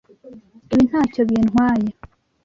Ibi ntacyo bintwaye.